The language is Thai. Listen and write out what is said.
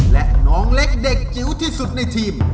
และน้องเล็กเด็กจิ๋วที่สุดในทีม